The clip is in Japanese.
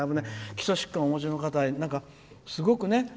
基礎疾患をお持ちの方はすごくね